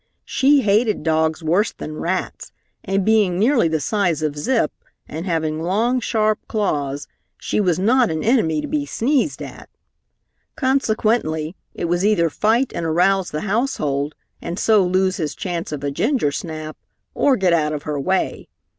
She hated dogs worse than rats, and being nearly the size of Zip, and having long, sharp claws, she was not an enemy to be sneezed at. Consequently it was either fight and arouse the household and so lose his chance of a gingersnap, or get out of her way.